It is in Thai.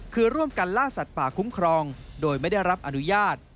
คือร่วมกันล่าสัตว์ป่าคุ้มครองโดยไม่ได้รับอนุญาต